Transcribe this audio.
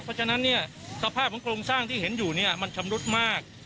เพราะฉะนั้นเนี่ยสภาพของโครงสร้างที่เห็นอยู่เนี่ยมันชำรุดมาก